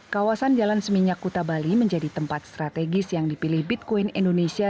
kawasan jalan seminyak kuta bali menjadi tempat strategis yang dipilih bitcoin indonesia